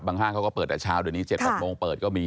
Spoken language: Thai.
บางห้างเขาก็เปิดแต่เช้าเดือนนี้๑๙โมงเปิดก็มี